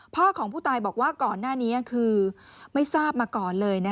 พ่อของผู้ตายบอกว่าก่อนหน้านี้คือไม่ทราบมาก่อนเลย